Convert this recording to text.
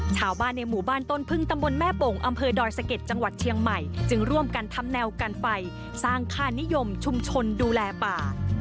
ชาวบ้านในหมู่บ้านต้นพึ่งตำบลแม่โป่งอำเภอดอยสะเก็ดจังหวัดเชียงใหม่จึงร่วมกันทำแนวกันไฟสร้างค่านิยมชุมชนดูแลป่า